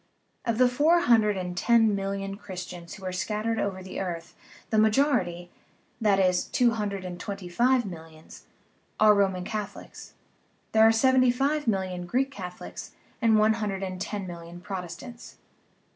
Of the four hundred and ten million Christians who are scattered over the earth the majori ty that is, two hundred and twenty five millions are Roman Catholics; there are seventy five million Greek Catholics and one hundred and ten million Protestants.